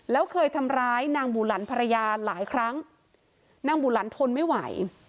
แล้วเคยทำร้ายนางบูหลันภรรยาหลายครั้งนางบุหลันทนไม่ไหว